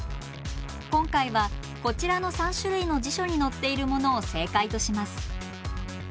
今回はこちらの３種類の辞書に載っているものを正解とします。